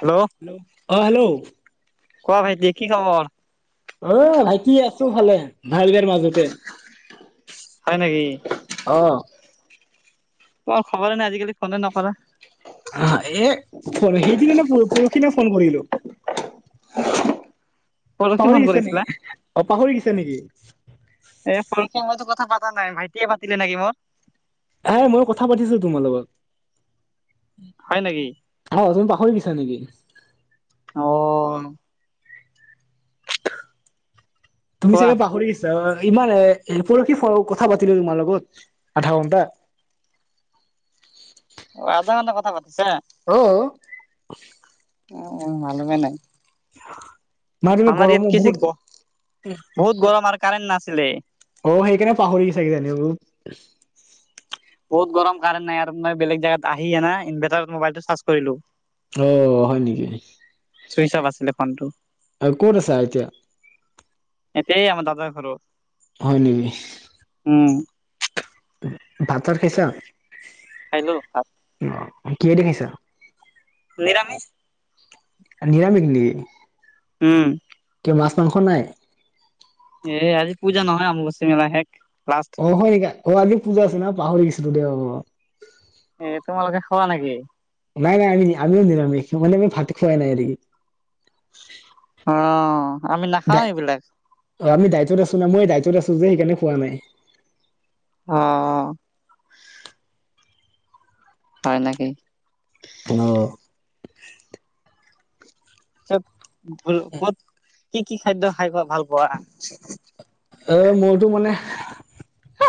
Hello হেল্ল'আহ hello কোৱা ভাইটি কি খবৰ। আহ ভাইটি আছো ভালে ভাল বেয়া মাজতে। হয় নেকি। অ ক খবৰে নাই আজিকালি ফোনে নকৰা। এ সেইদিনা ন পৰহিদিনে ফোন কৰিলো। [unintelligible] পৰহি পাহৰি ফোন গৈছে নেকি কৰিছিলা অ পাহৰি গৈছে নেকি এ ফকে [unintelligible] মইতো কথা পাতা নাই ভাইটিয়ে পাতিলে নেকি মোৰ হ মই কথা পাতিছো তোমাৰ লগত হয় নেকি হৈ দিছা নেকি অ তুমি কোৱা চাগে পাহৰি গৈছা ইমান এ পৰখি [unintelligible] কথা পাতিলো তোমাৰ লগত আধা ঘন্টা অ আধা ঘণ্টা কথা প আহ আহ ভাল বেলাই [unintelligible] আমাৰ ইয়াত গৰমো কিৃষি বহুত বহুত গৰম আৰু কাৰেণ্ট নাছিলে অ সেইকাৰণে পাহৰি চাগে জানি ব বহুত গৰম কাৰেণ্ট নাই আৰু মই বেলেগ জেগাত আহি ইনভাৰটাৰত মোবাইলটো চাৰ্জ কৰিলো। আহ হয় নেকি চুইচ অফ আছিলে ফোনটো আৰু কত আছা এতিয়া এই আমাৰ দাদাৰ ঘৰত হয় নেকি উম ভাতৰ খাইছা হেল্ল' কিহেদি খাইছা নিৰামিষ নিৰামিক নি উম মাছ মাংস নাই? এ আজি পূজা নহয় অম্বোবাছি মেলা শেষ। লাষ্ট অ হয় নেকি, অ আজি পূজা আছে নহ, পাহৰি গৈছিলো দেই অ। এ তোমালোকে খোৱা নেকি? নাই নাই আমি আমিও নিৰামিষ। মানে আমি ভাত খুৱাই নাই ৰি। অ আমি নাখাও এইবিলাক। দ আছো না মই দায়িত্বত আছো যে সেইকাৰণে খোৱা নাই। অ। হয় নেকি? অ। কত বোলো ক'ত, কি-কি খাদ্য খাই বা ভাল পোৱা? অ, মইতো মানে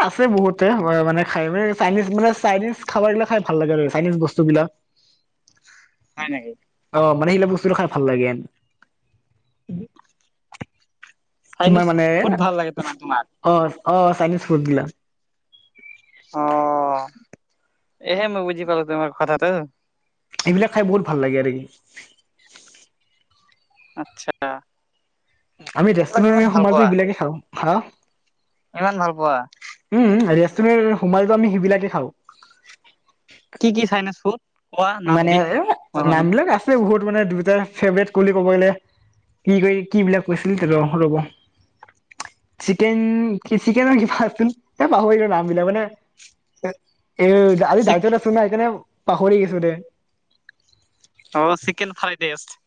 আছে বহুতে মানে খাই ম চাইনিজ মান চাইনিজ খাবাৰ বিলাক খাই ভাল লাগে। আৰু চাইনিজ বস্তু বিলাক। দা [unintelligible] হয় নেকি? অ, মানে সেইলাক বস্তু খাই ভাল লাগে। তোমাৰ চাইনিজ মানে ফুড এ, ভাল লাগে তোমাৰ তোমাক? অ-অ, চাইনিজ ফুড বিলাক। অ, এহে মই বুজি পালো তোমাৰ কথাটো। এইবিলাক খাই বহুত ভাল লাগে, আৰু কি। আচ্ছা, আমি এইবিলাক ইমান ৰেষ্টুৰেট ভাল সোমালেটো পোৱা এইবিলাকে খাওঁ। হা। কিমান ভাল পোৱা। উম-উম ৰেষ্টুৰেণ্ট সোমালেটো আমি সেইবিলাকে খাওঁ। কি কি চাইনেছ ফুড? কোৱা মানে নামবিধ? অ' মই নাম শুনো বিলাক আছে বহুত মানে দুটা ফেব্ৰেত বোলি ক'ব গলে, কি কৰি কি বিলাক কৈছিল ৰ ৰব। চিকেন-চিকেনৰ কিবা আছিল। এ পাহৰিলো নাম বিলাক মানে এ-এ, আজি চিক দাইতত আছো নাই সেইকাৰণে পাহৰি গৈছো দে। অ' চিকেন ফ্ৰাইড দেষ্ট।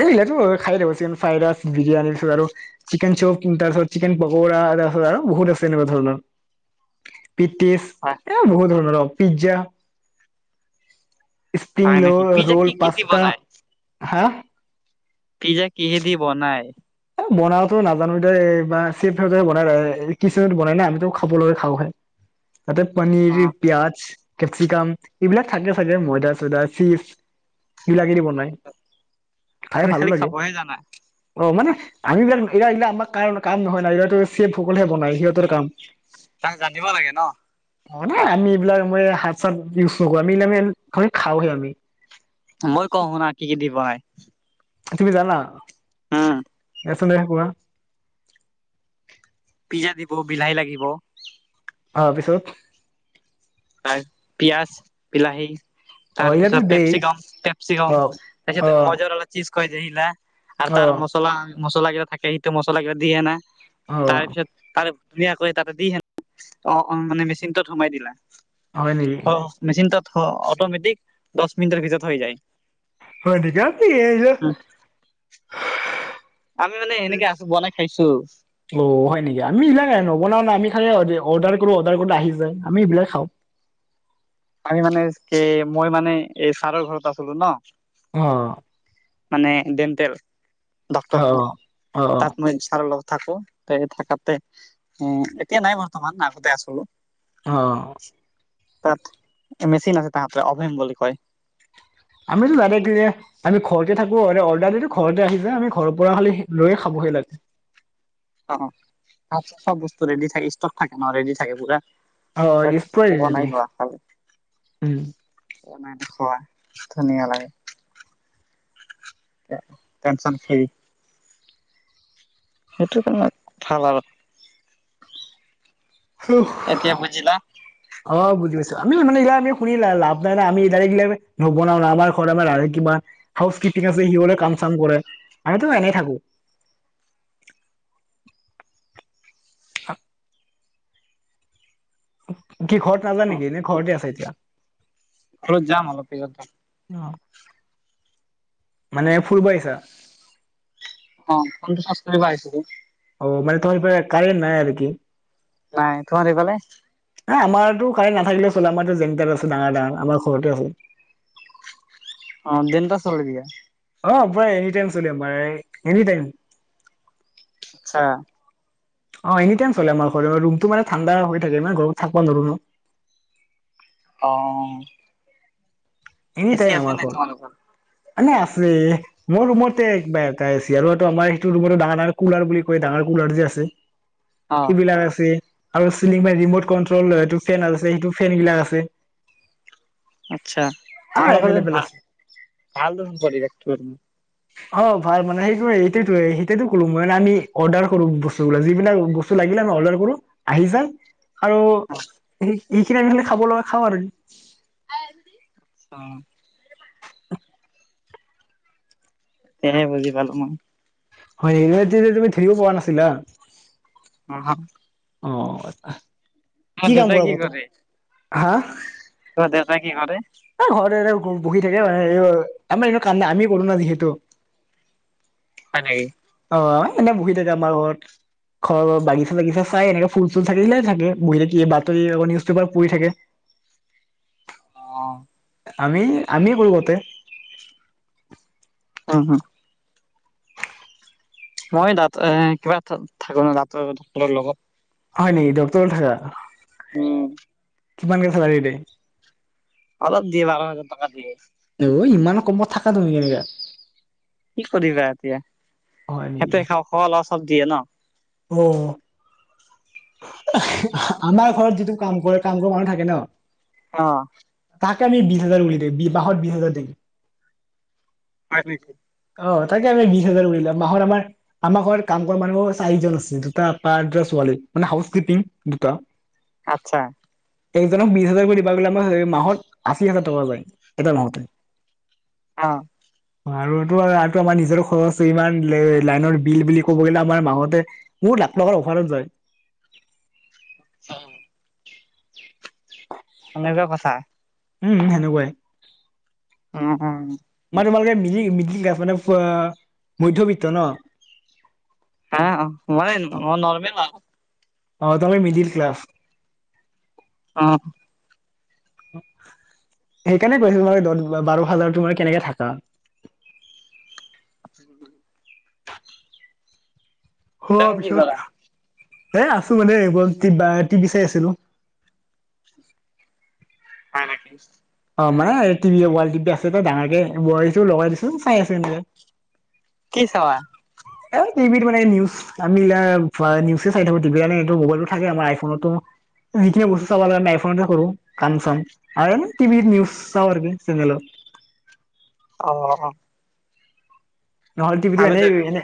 এইবিল খাই থাকো চিকেন ফ্ৰাই ৰাইচ, বিৰিয়ানী, আৰু চিকেন চপ, তাৰপিছত চিকেন পকোৰা, আৰু বহুত আছে এনেকুৱা ধৰণৰ। [inaudible] পিটিছ হয় এ বহুত ধৰণৰ পিজ্জা, স্প্ৰিং হয় ল নেকি পিজ্জা কি ৰ'ল, কি দি পাস্তা, বনাই? হা পিজ্জা কিহে দি বনাই? বনাটো নাজানো দেই বা চেফ বনাই কিটচেনট বনাই না আমিতো খাব লগে খাওঁ হে। তাতে অ পনীৰি পিয়াজ। কেপচিকাম এইবিলাক থাকে চাগে ময়দা চয়দা চীজ এইবিলাকেদি বনায়। খাই তুমি ভালো খালি লাগে খাবহে জানা অ' মানে আহিল তাক জানিব লাগে ন। অ নাই আমি এইবিলাক আম হাত চাত ইউজ নকৰো আমি এই আম খাওহে আমি। মই কওঁ শুনা কি কি দি বনাই। তুমি জানা। হম। এইফালে কোৱা। পিজ্জা দিব বিলাহী লাগিব। অহ পিছত। আৰু পিয়াজ বিলাহী। অ তাৰ ইয়াতো পিছত দেই পেপচিকম, অ পেপচিকম অ তাৰপিছত মজাৰালা চিজ ক য আহা [unintelligible] আৰু অ তাৰ মছলা, মছলা কেইটা থাকে সেইটো মছলা কেইটা দিয়ে নাই অ তাৰ পিছত তাৰ ধুনীয়াকৈ তাতে দি সে অ মানে মেচিনটোত সোমাই দিলা হয় নেকি মেচিন তাত অটমেটিক দহ মিনিটৰ ভিতৰত হৈ যায় হটি ক দি এ [unintelligible] আমি মানে সেনেকে আছো বনাই খাইছো অ হয় নেকি আমি সেই বিলাক আহ নবনাও না আমি খালে অৰ্ডাৰ কৰো অৰ্ডাৰ কৰোতে আহি যায় আমি এইবিলাক খাওঁ। আমি মানে কি মই মানে এই ছাৰৰ ঘৰত আছিলো ন অ মানে ডেণ্টেল অ ডক্টৰ অ তাত মই চাৰ লগ থাকো তে থকাতে উ এতিয়া নাই বৰ্তমান আগতে আছিলো অ তাত মেচিন আছে তাহাঁতে অভেম বুলি কয় আমিতো জানে কি আমি ঘৰতে থাকো অৰ্ডাৰ দি ঘৰতে আহি য আমি ঘৰৰ পৰা খালি লৈয়ে খাব হৈ লাগে অ আচছা [unintelligible] চব বস্তু ৰেডি থাকে ষ্টক থাকে ন ৰেডি থাকে পুৰা অ স্প্ৰাইট যদি বনাই লোৱা ভ উম নাই দেখা ধুনীয়া লাগে পেনচন খেৰি সেইটো তো ভাল আৰু এতিয়া বুজিলা অ বুজিছ আমি মানে এইিলাক আমি শুনি লাভ নাই না আমি এইাক নবনাও ন আমাৰ ঘৰত আমা ছে হিৰে [unintelligible] কাম চাম কৰে আমিতো এনেই থাকো [unintelligible] সাত কি ঘৰত নাজা নেকি এনে ঘৰতে আছে এতিয়া। ঘৰত যাম অলপ পিছত অ যাম। মানে ফুৰিব আহিছা। অ কোনটো চাদ কৰিব আহিছিল। অ মানে তোমাৰ পৰা কাৰে নাই আৰু কি। নাই তোম সিফালে। আমাৰতো কালি নাথাকিলে চলে আমাৰো যেেমাত আছে ডাঙৰ ডাঙৰ আমাৰ ঘৰতে আছে অ দিনতে চলাই দিয়া। অ পই এনি টাইম চলি আম এনি টাইম। আচ্ছা। অ এনি টাইম চলে আমাৰ ঘৰ ৰুমতটো মানে ঠাণ্ডা হৈ থাকে মানে ঘৰ থাকিব নোৱাৰো নো। অ এ চি আছে নাই তোমালোকৰ। আনা আছে। মোৰ ৰুমতে আৰুটো আমাৰ সেইটো ৰুম ডাঙৰ ডাঙৰ কুলাৰ বুলি কয় ডাঙৰ ল যে আছে অ সেইবিলাক আছে। আৰু চিলনগ মানে ৰিমট কন্ট্ৰলটো ফেন আছে সেইটো ফেন বিলাক আছে। আচ্ছা আহ তোমালো ঘাল এভেইলেবল আছে ভাল দোন ভতিজাক তো। অ ভাল মানে সেইটোয়ে এইটো সেইটো ক'লো মই যে আমি অৰ্ডাৰ কৰো বস্তু বিলাক যিব বিলাক বস্তু লাগ সেই বিলাক মই অৰ্ডাৰ কৰো আহি যাই। আৰু আচ্ছা এইখিনি আনিলে খাব লাগে খাওঁ আৰু। আচ্ছা। কেনে বুজি ভালো মই। হয় এইতি তুমি ধৰিব পৰা নাছিলা। অ অ আ কাম দেউতাই কৰা কি বাৰু তুমি? কৰে? হা তোমাৰ দেউতা কি কৰে? এই ঘৰত এনে বহি থাকে। মানে আমি ইনে কান্দাই আমি কৰো ন যিহেতু। হয় নেকি? অ এনে বহি থাকে আমাৰ ঘৰত। ঘৰ বাগিচা বাগিচা চাই এনেকে ফুল চুল থাকি দিলে থাকে বহিল কি বাতৰি নিউজ পেপাৰ পৰি থাকে। অ আমি আমি কৰো গতে আহ হ মই দ এ কিবা থাকো ন দাত ডাক্তৰৰ লগত। হয় নেকি ডক্তৰটৰ ন থাকা। উম। কিমান কে চেলাৰী দেই। অলপ দিয়ে বাৰ হাজাৰ টকা দিয়ে। অ ইমান কমত থাকা তুমি কেনেকা। কি কৰিবা এতিয়া হয় সিহঁতে খাওঁ খল চব দিয়ে ন। উ আমাৰ ঘৰত যিটো কাম কৰে কাম কৰ মানুহ থাকে ন। অ তাকে আমি বিশ হাজাৰ বুলি দি বাহত বিশ হাজাৰ দিও। হয়নেকি? অ তাকে আমি বিশ হাজাৰ কৰিল মাহত আমাৰ আমাৰ ঘৰত কাম কৰা মানুহ চাৰিজন আছে দুটা প ক মানে হাউচ কিপিং দুটা। আচ্ছা একজনক বিশ হাজাৰ কৰি দিব গ'লে মাহৰ আশী হাজাৰ টকা যায় এটাৰ মাহতে। আহ টো আৰুটো আমাৰ নিজৰ খৰচ ইমান লে-লাইনৰ বিল বুলি ক'ব গ'লে আমাৰ মাহতে বহত [unintelligible] আৰু যায়। হা। এনেকোৱা কথা। উম, সেনেকুৱাই। উম, উম। মানে তোমালোকে মিলি মিলি [unintelligible] মদ্যয়বিত্ত ন'। হা, ময়ে অ নৰ্মেল আৰু। অ', তুমি মিডিল ক্লছ। অ'। সেইকাৰণে কৈছোঁ তোমাৰ দদ বাৰ হাজাৰ তোমাৰ কেনেকে থাকা। [inaudible] হোৱা তুমি কি কৰা পিছত এ, আছোঁ মানে এইবোৰত টিবা টিভি চাই আছিলো। হা ৰাখিছ। অ', মানে টিভি ৱাল আছে ডাঙৰকে বহাইছোঁ লগাই দিছোঁ, চাই আছ এনেকে। কি চাৱা। এই টিভিতো মানে নিউজ, আমি লা নিউজে চাই থাকো টিভিত আমি এইটো মোবাইলত থাকে আমাৰ আইফোনতো। যিখিনি বস্তু চাব লাগে আইফোনতে কৰো, কাম চাম [unintelligible] টিভিত নিউছ চাওঁ আৰ কি চেনেলত। অ'। নহ'লে টিভিটো ভালে এনেই দেখোন এনে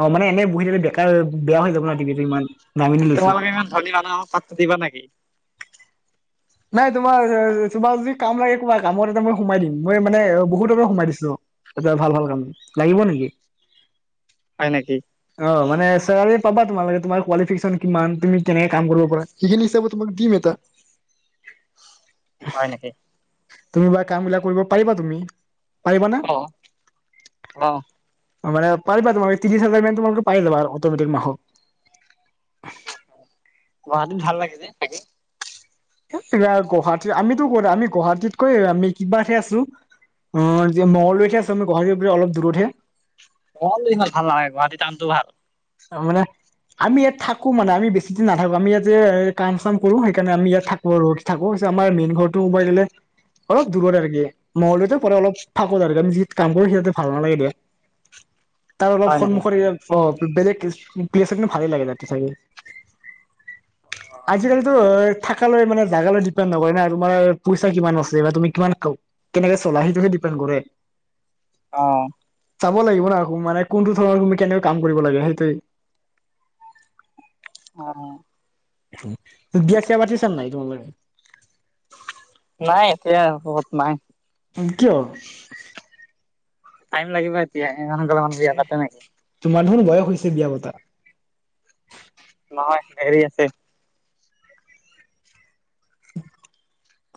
অ', মানে এনেই বহি থাকিলে বেকাৰ বেয়া হৈ যাব ন টিভিটো ইমান দামী দি লৈছো তোমালোকে ইমান ধনী মানুহ আৰু কাডটো দিবা নেকি? নাই তোমাৰ এ, তোমাৰ যদি কাম লাগে কোৱা কামত এটা মই সোমাই দিম। মই মানে এ, বহুতকে সোমাই দিছোঁ। এটে ভাল ভাল কাম, লাগিব নেকি? হয় নেকি? অ, মানে চেৱালিত পাবা তোমালোকে তোমাৰ কোৱালিফিকেশ্যন কিমান, তুমি কেনেকে কাম কৰিব পাৰা। সেইখিনি হিচাপে তোমাক দিম এটা। হয় নেকি। তুমি বা কামবিলাক কৰিব পাৰিবা তুমি। পাৰিবা না? অহ, অহ। মানে পাৰিবা তোমাৰ ত্ৰিছ হাজাৰ মান তোমাৰ বুলো পাই যাবা আৰামত তুমি তুমি মাহত। গুৱাহাটীত ভাল লাগে যে, থাকি। হে কিবা গুৱাহাটী আমিতো ক'ত আমি গুৱাহাটীতকৈ আমি কিবা হে আছোঁ। অ', যে মগলদৈত হে আছোঁ আমি, গুৱাহাটীৰ পৰা অলপ দূৰত হে। মগলদৈত ইমান ভাল নালাগে, গুৱাহাটীত টাউনটো ভাল। অ', মানে। আমি ইয়াত থাকো মানে আমি বেছি দিন নাথাকো, আমি ইয়াত যে কাম চাম কৰো সেইকাৰণে আমি ইয়াত থাকো ৰ'জ থাকো। কৈছোঁ আমাৰ মেইন ঘৰটো, উবাই দিলে। অলপ দূৰত আৰ কি, মঙগলদৈয়তে পৰে অলপ ফাকত আৰু আমি যি কাম কৰো সিহতে ভাল নালাগে দে। [unintelligible] তাৰ অলপ নেকি? সন্মুখত [unintelligible] বেলেগ প্লেছ [unintelligible] ভালেই লাগে তাতে থাকি। আজিকালিটো থাকালৈ মানে জাগালৈ ডিপেণ্ড নকৰে না তোমাৰ পইচা কিমান আছে বা তুমি কিমান ক-কেনেকে চলা সেইটোহে ডি পেন কৰে। অহ। যাব লাগিব ন' আকৌ মানে কোনটো ধৰণৰ তুমি কেনেকৈ কাম কৰিব লাগে, সেইটোয়ে। অ'। বিয়া ছিয়া পাতিছা নে নাই তোমালোকে? নাই এতিয়া বহত নাই। উ, কিয়? টাইম লাগিব এতিয়া গ'লে মান বিয়া পাতা নেকি তোমাৰ ধোনু বয়স হৈছে বিয়া পতা। [unintelligible]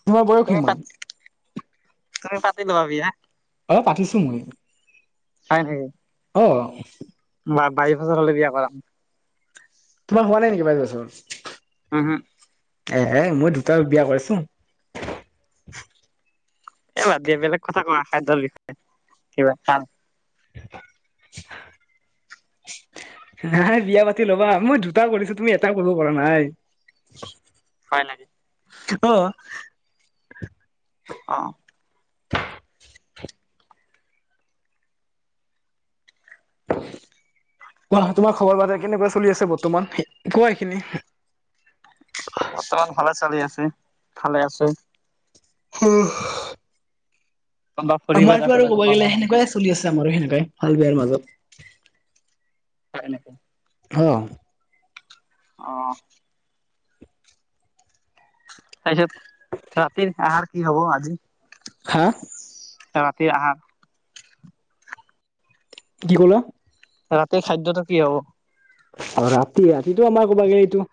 তোমাৰ বয়স তুমি পাত কিমান। তুমি পাতি লোৱা বিয়া। অহ পাতিছো মই। হয় নেকি? অ বা বাইছ বছৰ হ'লে বিয়া কৰাম। তোমাৰ হোৱা নাই নেকি বাইছ বছৰ উহপ এ মই দুটা বিয়া কৰাইছো। এইবাদ দিয়ে বেলেগ কথা কোৱা খাদ্যৰ বিষয় কিবা [unintelligible] [inaudible] হয় নেকি। অহ [inaudible] অ [unintelligible] [unintelligible] অ তোমাৰ খবৰ বাতৰা কেনেকুৱা চলি আছে। বৰ্তমান কোৱা এইখিনি বৰ্তমান ভালে চালি আছে। ভালে আছো। হা [inaudible] ক'ৰবাত ফুৰিব আমাৰতো যাব আৰু লাগিব ক'ব গৰমৰ গ'লে বন্ধত সেনেকুৱাই চলি আছে আমাৰো সেনেকুৱাই ভাল বেয়াৰ মাজত। হয় নেকি। অঁ'। অ'। তাৰপিছত ৰাতিৰ আহাৰ কি হ'ব আজি? হা। তে আহাৰ। কি ক'লা ৰাতিৰ খাদ্যটো কি হব? আৰু ৰাতি ৰাতিটো আমাৰ ক'বাগে এইটো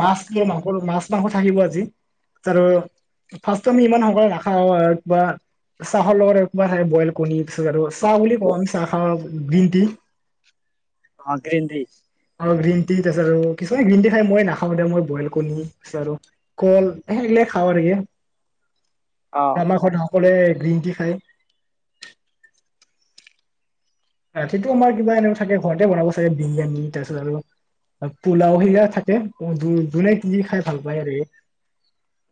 মাছ মাংস মাছ মাংস থাকিব আজি তাৰ ফাৰ্ষ্টটো আমি ইমান সক ৰাখা কিবা চাহৰ লগত এক বইল কণী পিছত আৰু চাহ বুলি কওঁ চাহ খাহ গ্ৰীণ টি। অ', গ্ৰীণ টি। আৰু গ্ৰীণ টি তাৰছত কিছুমান গ্ৰীণ ট খাই মই নাখাওঁ দে মই বইল কণী তাৰছ কল সেইবিলাক। খাবা নেকি। [unintelligible] অ আমাৰ ঘৰত সকলোৱে গ্ৰীণ টি খায়। ৰাতিটো আমাৰ কিবা এনেকুৱা থাকে ঘৰতে বনাব চাগে বিৰিয়ানী তাৰপিছত আৰু পোলাও সিৰা থাকে যোনে কি খাই ভাল পায় আৰু।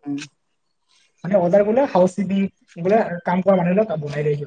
উম। মান অডাৰ গ হাউচপি গ কাম কৰা মানুহিলাক বনাই।